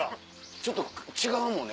ちょっと違うもんね